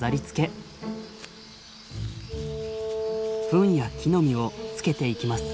フンや木の実をつけていきます。